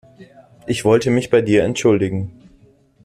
Ich wollte mich bei dir entschuldigen.